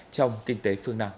trong kinh tế